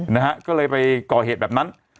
นะฮะก็เลยไปก่อเหตุแบบนั้น